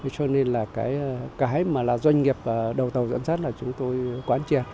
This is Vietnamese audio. cho nên cái doanh nghiệp đầu tàu dẫn sát là chúng tôi quan trọng